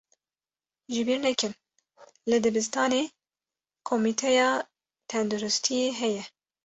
Ji bîr nekin, li dibistanê komîteya tenduristiyê heye.